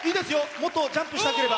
もっとジャンプしたければ。